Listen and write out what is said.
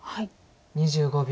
２５秒。